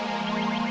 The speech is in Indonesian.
ya seperti itu